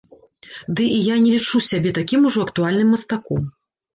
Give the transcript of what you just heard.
Ды і я не лічу сябе такім ужо актуальным мастаком.